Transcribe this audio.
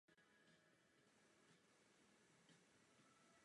Zpráva obsahuje několik bodů, které je třeba podpořit.